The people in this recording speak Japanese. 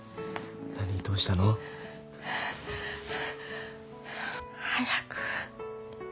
何どうしたの？早く行って。